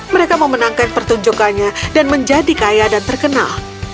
mereka memenangkan pertunjukannya dan menjadi kaya dan terkenal